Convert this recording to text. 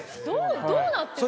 どうなってるの？